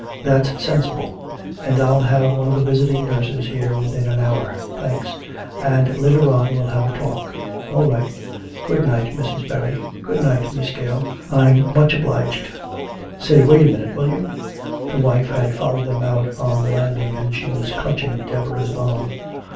"That's sensible. And I'll have one of the visiting nurses here within an hour." "Thanks." "And later on we'll have a talk." "All right " "Good night, Mrs. Berry." "Good night, Miss Gale, I'm much obliged.... Say, wait a minute! Will you?" The wife had followed them out on the landing and she was clutching Deborah's arm.